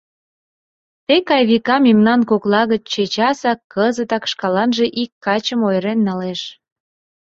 Тек Айвика мемнан кокла гыч чечасак, кызытак шкаланже ик качым ойырен налеш.